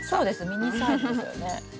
ミニサイズですよね。